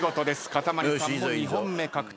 かたまりさんも２本目獲得。